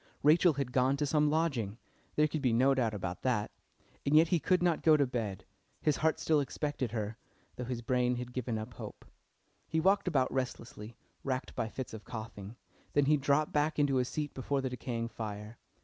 Rachel had gone to some lodging there could be no doubt about that. And yet he could not go to bed, his heart still expected her, though his brain had given up hope. He walked about restlessly, racked by fits of coughing, then he dropped back into his seat before the decaying fire.